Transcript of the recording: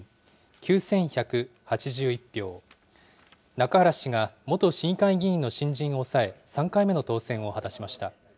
中原氏が元市議会議員の新人を抑え、３回目の当選を果たしました。